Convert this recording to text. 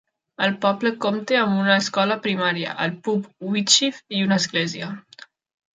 El poble compta amb una escola primària, el pub Wheatsheaf i una església.